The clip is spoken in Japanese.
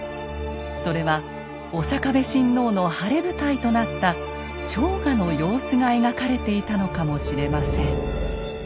それは刑部親王の晴れ舞台となった朝賀の様子が描かれていたのかもしれません。